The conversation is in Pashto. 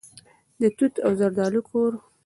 د توت او زردالو کور.